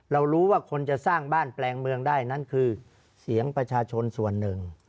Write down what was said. เรารู้ว่าคนจะสร้างบ้านแปลงเมืองได้นั้นคือเสียงประชาชนส่วนหนึ่ง